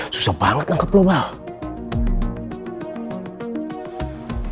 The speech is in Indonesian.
susah banget nangkep lo bal